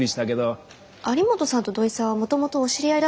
有本さんと土井さんはもともとお知り合いだったんでしょうか？